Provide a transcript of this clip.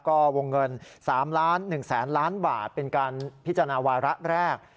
ก็วงเงิน๓ล้านเป็นการพิจารณาวาระแรก